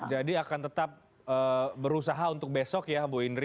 jadi akan tetap berusaha untuk besok ya bu indri